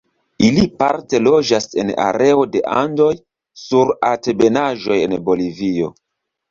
Ili parte loĝas en areo de Andoj sur altebenaĵoj en Bolivio.